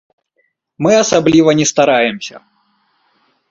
Мы асабліва не стараемся.